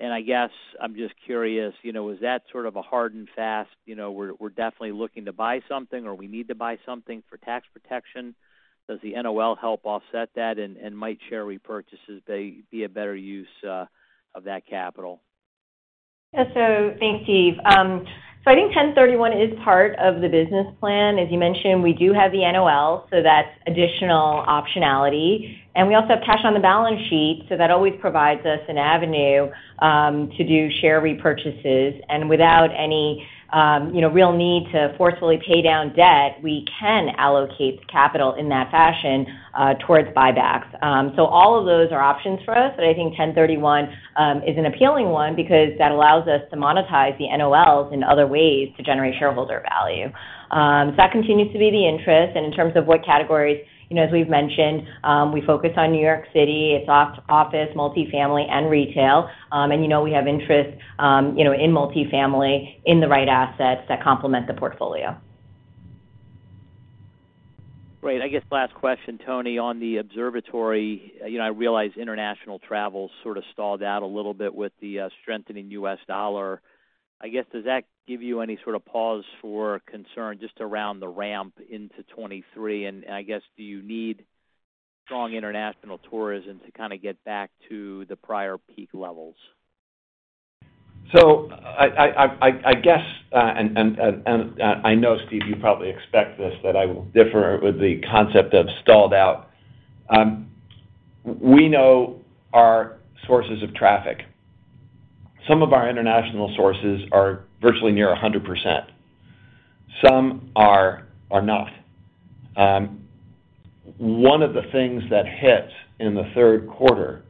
two suburban sales. I guess I'm just curious, you know, is that sort of a hard and fast, you know, we're definitely looking to buy something, or we need to buy something for tax protection? Does the NOL help offset that? Might share repurchases be a better use of that capital? Yeah. Thanks, Steve. I think 1031 is part of the business plan. As you mentioned, we do have the NOL, so that's additional optionality. We also have cash on the balance sheet, so that always provides us an avenue to do share repurchases. Without any, you know, real need to forcefully pay down debt, we can allocate capital in that fashion towards buybacks. All of those are options for us, but I think 1031 is an appealing one because that allows us to monetize the NOLs in other ways to generate shareholder value. That continues to be the interest. In terms of what categories, you know, as we've mentioned, we focus on New York City. It's office, multifamily, and retail. You know, we have interest, you know, in multifamily, in the right assets that complement the portfolio. Great. I guess last question, Anthony, on the observatory. You know, I realize international travel sort of stalled out a little bit with the strengthening US dollar. I guess, does that give you any sort of pause for concern just around the ramp into 2023? I guess, do you need strong international tourism to kind of get back to the prior peak levels? I guess I know, Steve, you probably expect this, that I will differ with the concept of stalled out. We know our sources of traffic. Some of our international sources are virtually near 100%. Some are not. One of the things that hit in the 1/3 1/4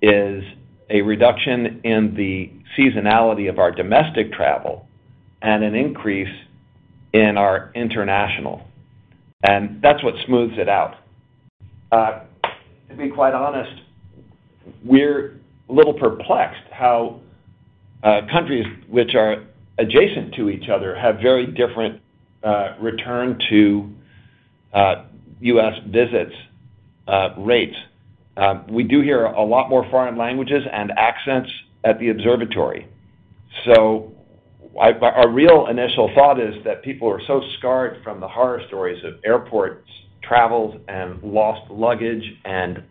is a reduction in the seasonality of our domestic travel and an increase in our international, and that's what smooths it out. To be quite honest, we're a little perplexed how countries which are adjacent to each other have very different return to U.S. visits rates. We do hear a lot more foreign languages and accents at the observatory. Our real initial thought is that people are so scarred from the horror stories of airports, travels, and lost luggage and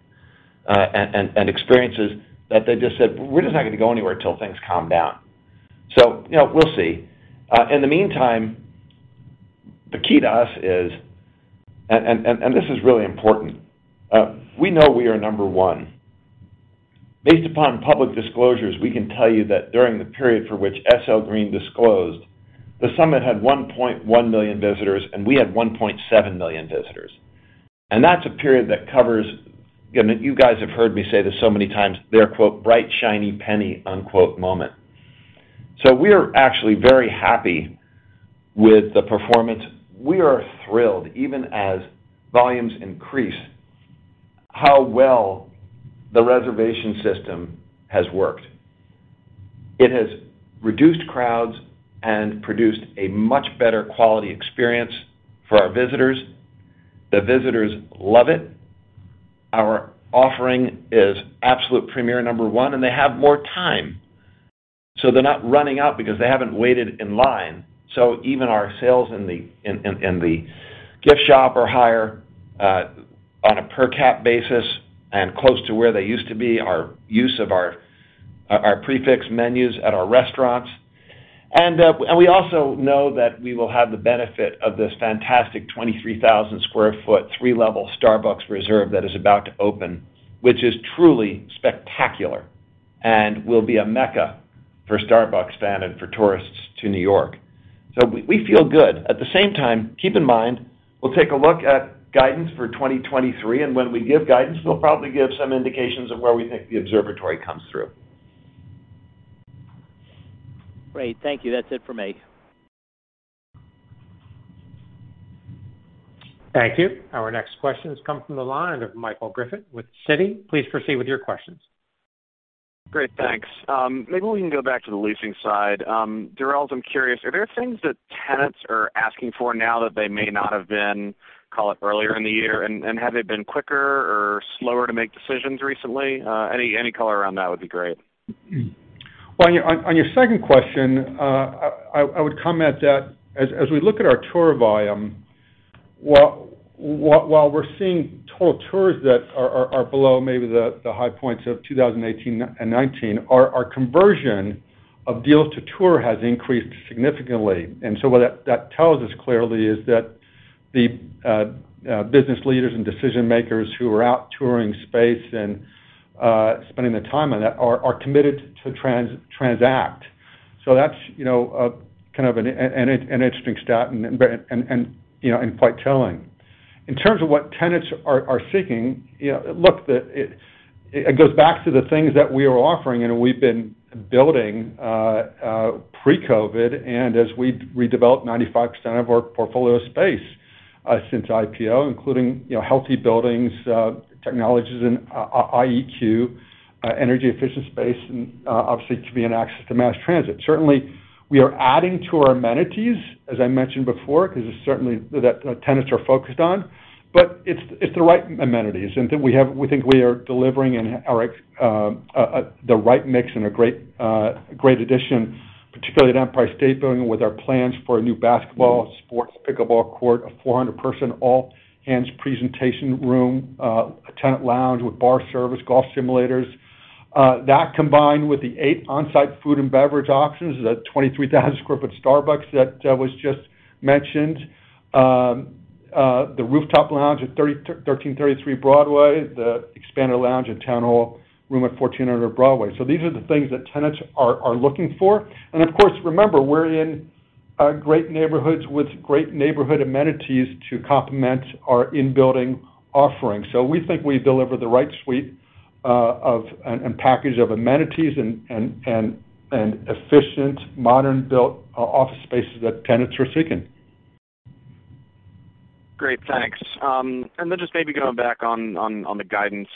experiences that they just said, "We're just not gonna go anywhere till things calm down." You know, we'll see. In the meantime, the key to us is this is really important. We know we are number one. Based upon public disclosures, we can tell you that during the period for which SL Green disclosed, The Summit had 1.1 million visitors, and we had 1.7 million visitors. That's a period that covers, you know, you guys have heard me say this so many times, their, quote, bright, shiny penny, unquote, moment. We're actually very happy with the performance. We are thrilled, even as volumes increase, how well the reservation system has worked. It has reduced crowds and produced a much better quality experience for our visitors. The visitors love it. Our offering is absolute premier number one, and they have more time, so they're not running out because they haven't waited in line. Even our sales in the gift shop are higher on a per cap basis and close to where they used to be. Our use of our prix fixe menus at our restaurants. We also know that we will have the benefit of this fantastic 23,000 sq ft, three-level Starbucks Reserve that is about to open, which is truly spectacular and will be a mecca for Starbucks fans and for tourists to New York. We feel good. At the same time, keep in mind, we'll take a look at guidance for 2023, and when we give guidance, we'll probably give some indications of where we think the observatory comes through. Great. Thank you. That's it for me. Thank you. Our next question comes from the line of Michael Bilerman with Citi. Please proceed with your questions. Great. Thanks. Maybe we can go back to the leasing side. Thomas Durels, I'm curious, are there things that tenants are asking for now that they may not have been, call it, earlier in the year? Have they been quicker or slower to make decisions recently? Any color around that would be great. Well, on your second question, I would comment that as we look at our tour volume, while we're seeing total tours that are below maybe the high points of 2018 and 2019, our conversion of deals to tour has increased significantly. What that tells us clearly is that the business leaders and decision makers who are out touring space and spending the time on that are committed to transact. That's, you know, kind of an interesting stat and, you know, and quite telling. In terms of what tenants are seeking, you know, look, it goes back to the things that we are offering, and we've been building Pre-COVID, and as we redeveloped 95% of our portfolio space since IPO, including, you know, healthy buildings, technologies, and IEQ, energy efficient space, and obviously access to mass transit. Certainly, we are adding to our amenities, as I mentioned before, because certainly tenants are focused on. It's the right amenities, and we think we are delivering the right mix and a great addition, particularly at Empire State Building with our plans for a new basketball sports pickleball court, a 400-person all-hands presentation room, a tenant lounge with bar service, golf simulators. That combined with the 8 on-site food and beverage options, the 23,000 sq ft Starbucks that was just mentioned, the rooftop lounge at 1333 Broadway, the expanded lounge and town hall room at 1400 Broadway. These are the things that tenants are looking for. Of course, remember, we're in great neighborhoods with great neighborhood amenities to complement our in-building offerings. We think we deliver the right suite of and package of amenities and efficient, modern office spaces that tenants are seeking. Great. Thanks. Just maybe going back on the guidance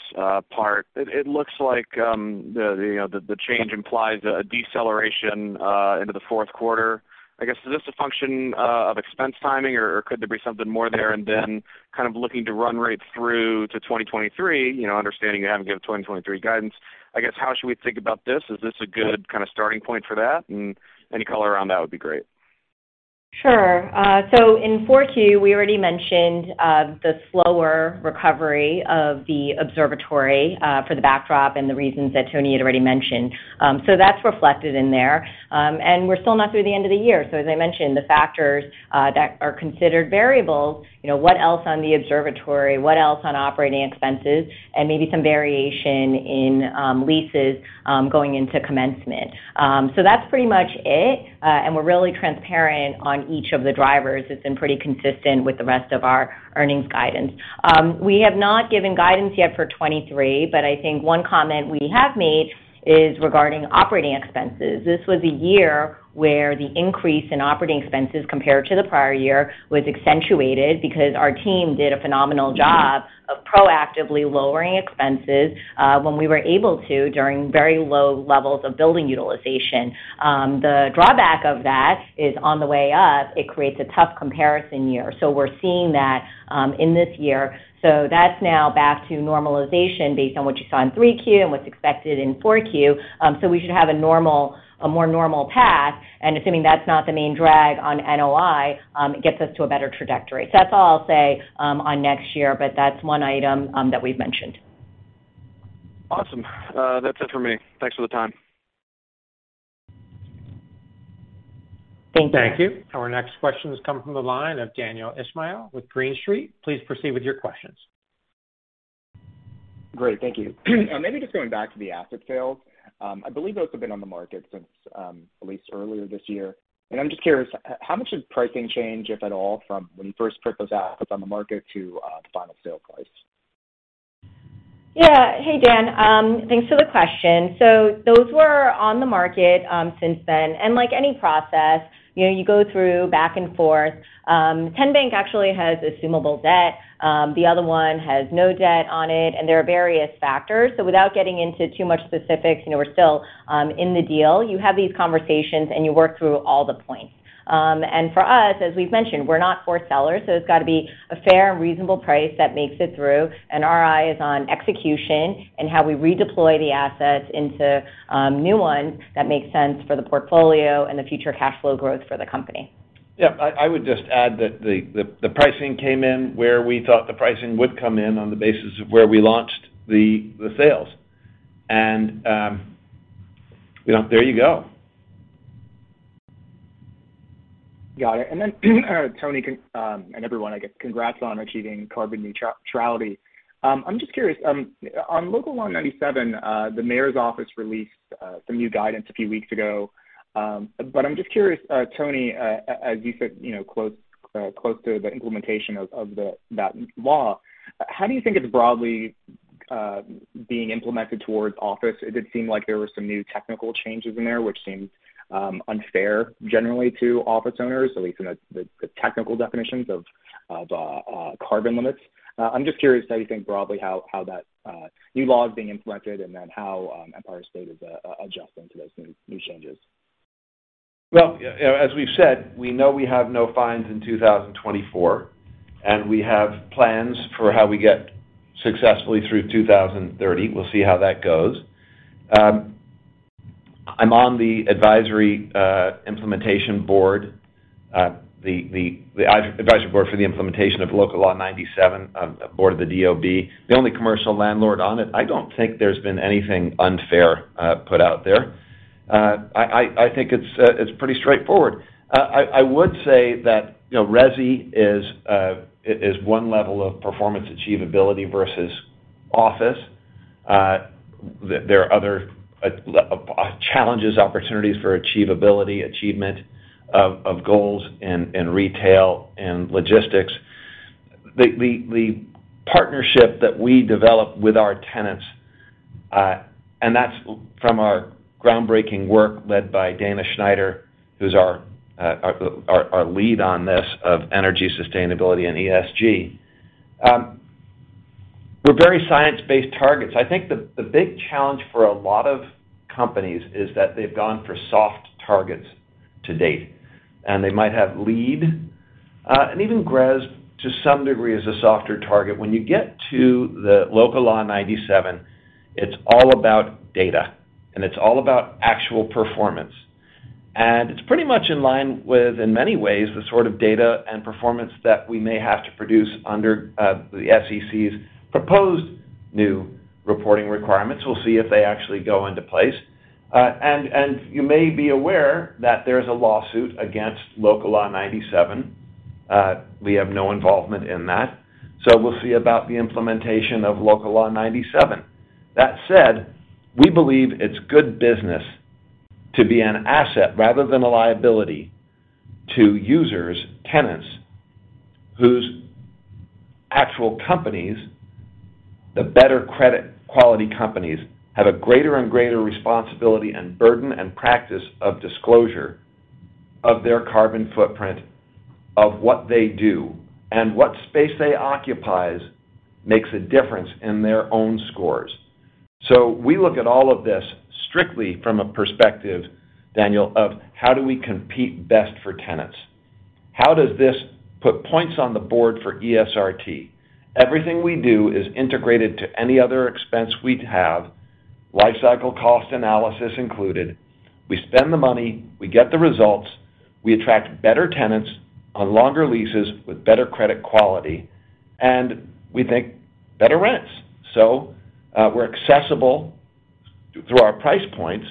part. It looks like the change implies a deceleration into the fourth 1/4. I guess, is this a function of expense timing or could there be something more there? Kind of looking to run right through to 2023, you know, understanding you haven't given 2023 guidance, I guess, how should we think about this? Is this a good kind of starting point for that? Any color around that would be great. Sure. In 4Q, we already mentioned the slower recovery of the observatory for the backdrop and the reasons that Anthony had already mentioned. That's reflected in there. We're still not through the end of the year. As I mentioned, the factors that are considered variables, you know, what else on the observatory, what else on operating expenses, and maybe some variation in leases going into commencement. That's pretty much it. We're really transparent on each of the drivers. It's been pretty consistent with the rest of our earnings guidance. We have not given guidance yet for 2023, but I think one comment we have made is regarding operating expenses. This was a year where the increase in operating expenses compared to the prior year was accentuated because our team did a phenomenal job of proactively lowering expenses when we were able to during very low levels of building utilization. The drawback of that is on the way up, it creates a tough comparison year. We're seeing that in this year. That's now back to normalization based on what you saw in 3Q and what's expected in 4Q. We should have a more normal path. Assuming that's not the main drag on NOI, it gets us to a better trajectory. That's all I'll say on next year, but that's one item that we've mentioned. Awesome. That's it for me. Thanks for the time. Thank you. Thank you. Our next question has come from the line of Daniel Ismail with Green Street. Please proceed with your questions. Great. Thank you. Maybe just going back to the asset sales. I believe those have been on the market since at least earlier this year. I'm just curious, how much did pricing change, if at all, from when you first put those assets on the market to the final sale price? Yeah. Hey, Daniel, thanks for the question. Those were on the market since then. Like any process, you know, you go through back and forth. 10 Bank actually has assumable debt. The other one has no debt on it, and there are various factors. Without getting into too much specifics, you know, we're still in the deal. You have these conversations, and you work through all the points. For us, as we've mentioned, we're not fire sellers, so it's got to be a fair and reasonable price that makes it through. Our eye is on execution and how we redeploy the assets into new ones that make sense for the portfolio and the future cash flow growth for the company. Yeah, I would just add that the pricing came in where we thought the pricing would come in on the basis of where we launched the sales. You know, there you go. Got it. Anthony, and everyone, I guess congrats on achieving carbon neutrality. I'm just curious. On Local Law 97, the mayor's office released some new guidance a few weeks ago. I'm just curious, Anthony, as you said, you know, close to the implementation of that law, how do you think it's broadly being implemented toward office? It did seem like there were some new technical changes in there which seemed unfair generally to office owners, at least in the technical definitions of carbon limits. I'm just curious how you think broadly how that new law is being implemented and then how Empire State is adjusting to those new changes. Well, yeah, you know, as we've said, we know we have no fines in 2024, and we have plans for how we get successfully through 2030. We'll see how that goes. I'm on the advisory implementation board, the advisory board for the implementation of Local Law 97, a board of the DOB. The only commercial landlord on it. I don't think there's been anything unfair put out there. I think it's pretty straightforward. I would say that, you know, resi is one level of performance achievability versus office. There are other challenges, opportunities for achievability, achievement of goals in retail and logistics. The partnership that we develop with our tenants, and that's from our groundbreaking work led by Dana Robbins Schneider, who's our lead on this of energy sustainability and ESG. We're very science-based targets. I think the big challenge for a lot of companies is that they've gone for soft targets to date, and they might have lead. And even GRESB to some degree is a softer target. When you get to the Local Law 97, it's all about data, and it's all about actual performance. It's pretty much in line with, in many ways, the sort of data and performance that we may have to produce under the SEC's proposed new reporting requirements. We'll see if they actually go into place. You may be aware that there's a lawsuit against Local Law 97. We have no involvement in that. We'll see about the implementation of Local Law 97. That said, we believe it's good business to be an asset rather than a liability to users, tenants, whose actual companies. The better credit quality companies have a greater and greater responsibility and burden and practice of disclosure of their carbon footprint, of what they do, and what space they occupies makes a difference in their own scores. We look at all of this strictly from a perspective, Daniel, of how do we compete best for tenants. How does this put points on the board for ESRT? Everything we do is integrated to any other expense we have, life cycle cost analysis included. We spend the money, we get the results. We attract better tenants on longer leases with better credit quality, and we think better rents. We're accessible through our price points,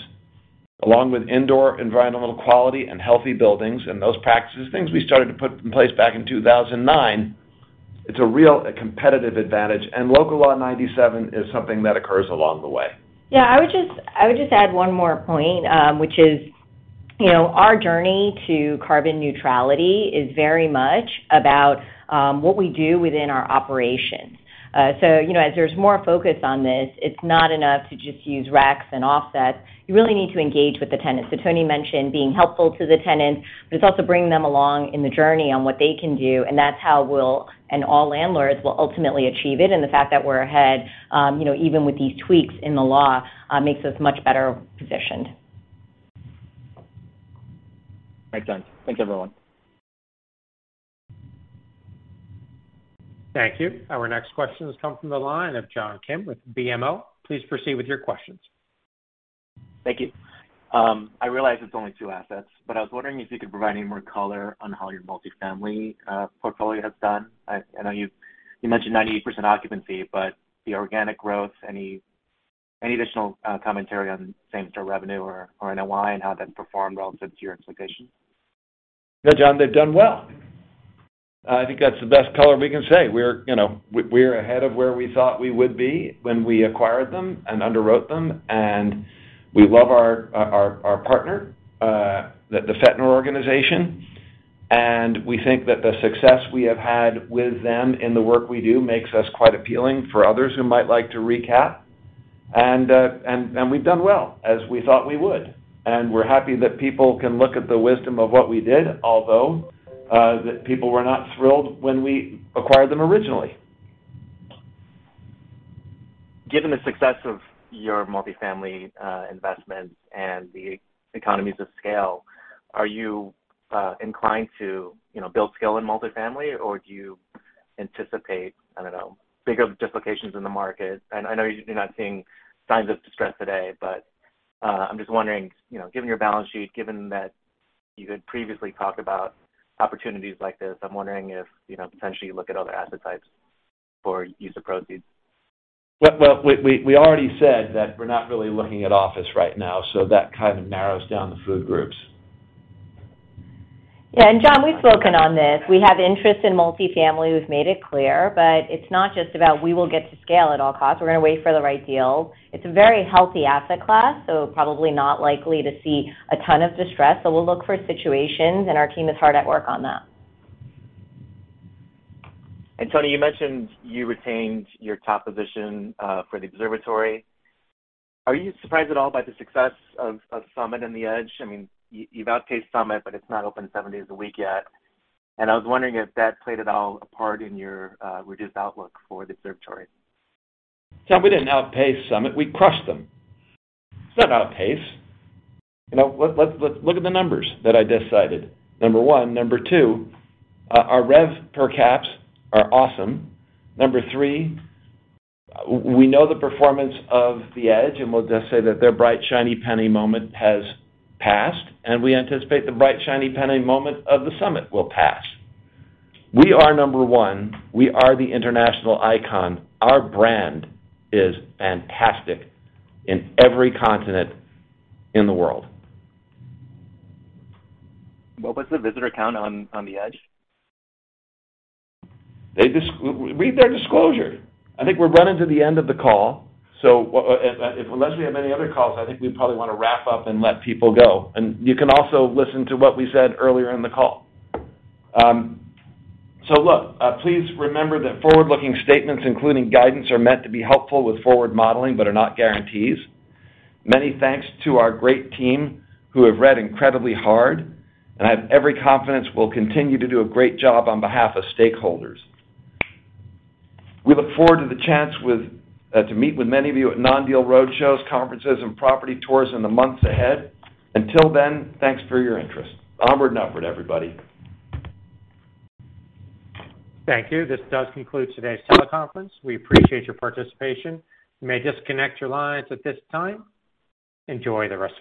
along with indoor environmental quality and healthy buildings, and those practices, things we started to put in place back in 2009. It's a real competitive advantage, and Local Law 97 is something that occurs along the way. Yeah. I would just add one more point, which is, you know, our journey to carbon neutrality is very much about what we do within our operations. You know, as there's more focus on this, it's not enough to just use RECs and offsets. You really need to engage with the tenants. Anthony mentioned being helpful to the tenants, but it's also bringing them along in the journey on what they can do, and that's how we'll, and all landlords will ultimately achieve it. The fact that we're ahead, you know, even with these tweaks in the law, makes us much better positioned. Thanks, Christina. Thanks, everyone. Thank you. Our next question has come from the line of John Kim with BMO. Please proceed with your questions. Thank you. I realize it's only two assets, but I was wondering if you could provide any more color on how your Multi-Family portfolio has done. I know you mentioned 98% occupancy, but the organic growth, any additional commentary on Same-Store revenue or NOI and how that performed relative to your expectations? Yeah, John, they've done well. I think that's the best color we can say. We're, you know, ahead of where we thought we would be when we acquired them and underwrote them, and we love our partner, the Fetner Organization. We think that the success we have had with them in the work we do makes us quite appealing for others who might like to recap. We've done well, as we thought we would. We're happy that people can look at the wisdom of what we did, although that people were not thrilled when we acquired them originally. Given the success of your Multi-Family investments and the economies of scale, are you inclined to, you know, build scale in Multi-Family, or do you anticipate, I don't know, bigger dislocations in the market? I know you're not seeing signs of distress today, but I'm just wondering, you know, given your balance sheet, given that you had previously talked about opportunities like this, I'm wondering if, you know, potentially you look at other asset types for use of proceeds. Well, we already said that we're not really looking at office right now, so that kind of narrows down the food groups. Yeah. John, we've spoken on this. We have interest in Multi-Family. We've made it clear. It's not just about we will get to scale at all costs. We're gonna wait for the right deal. It's a very healthy asset class, so probably not likely to see a ton of distress. We'll look for situations, and our team is hard at work on that. Anthony, you mentioned you retained your top position for the Observatory. Are you surprised at all by the success of Summit and the Edge? I mean, you've outpaced Summit, but it's not open seven days a week yet, and I was wondering if that played at all a part in your reduced outlook for the Observatory. John, we didn't outpace Summit. We crushed them. It's not outpace. You know, let's look at the numbers that I just cited. Number one. Number two, our rev per caps are awesome. Number three, we know the performance of the Edge, and we'll just say that their bright, shiny penny moment has passed, and we anticipate the bright, shiny penny moment of the Summit will pass. We are number one. We are the international icon. Our brand is fantastic in every continent in the world. What was the visitor count on the Edge? They just read their disclosure. I think we're running to the end of the call, so unless we have any other calls, I think we probably wanna wrap up and let people go. You can also listen to what we said earlier in the call. Look, please remember that Forward-Looking statements, including guidance, are meant to be helpful with forward modeling, but are not guarantees. Many thanks to our great team who have worked incredibly hard, and I have every confidence we'll continue to do a great job on behalf of stakeholders. We look forward to the chance to meet with many of you at Non-deal roadshows, conferences, and property tours in the months ahead. Until then, thanks for your interest. Onward and upward, everybody. Thank you. This does conclude today's teleconference. We appreciate your participation. You may disconnect your lines at this time. Enjoy the rest of your day.